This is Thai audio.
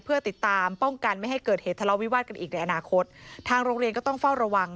เพื่อติดตามป้องกันไม่ให้เกิดเหตุทะเลาวิวาสกันอีกในอนาคตทางโรงเรียนก็ต้องเฝ้าระวัง